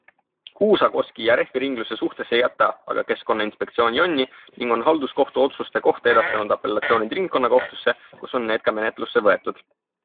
Kuusakoski ja Rehviringluse suhtes ei jäta aga keskkonnainspektsioon jonni ning on halduskohtu otsuste kohta edastanud apellatsioonid ringkonnakohtusse, kus on need ka menetlusse võetud.